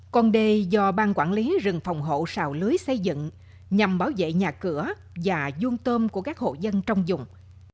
con đê do bang quản lý rừng phòng hộ xào lưới xây dựng nhằm bảo vệ nhà cửa và dùng tôm của các hộ dân trong dùng